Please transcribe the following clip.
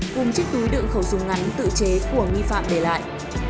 cùng chiếc túi đựng khẩu súng ngắn tự chế của nghi phạm để lại